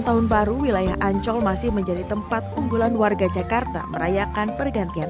tahun baru wilayah ancol masih menjadi tempat unggulan warga jakarta merayakan pergantian